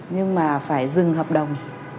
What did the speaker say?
nhưng mà phải dừng hợp đồng